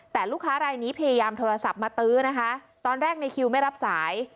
แต่ลูกค้ารายนี้พยายามโทรศัพท์มาตื้อนะคะตอนแรกในคิวไม่รับสาย